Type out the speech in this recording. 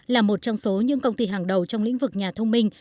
là một trong số những công ty hàng đầu trong lĩnh vực nhà thông minh